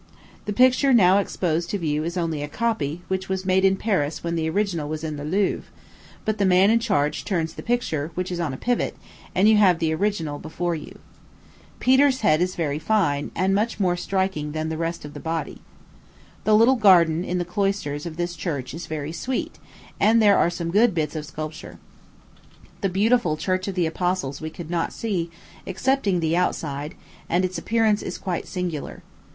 The picture now exposed to view is only a copy, which was made in Paris when the original was in the Louvre; but the man in charge turns the picture, which is on a pivot, and you have the original before you. Peter's head is very fine, and much more striking than the rest of the body. The little garden in the cloisters of this church is very sweet, and there are some good bits of sculpture. The beautiful Church of the Apostles we could not see, excepting outside, and its appearance is quite singular.